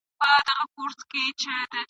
وړي لمبه پر سر چي شپه روښانه کړي !.